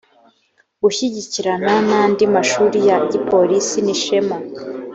gushyikirana n andi mashuri ya gipolisi nishema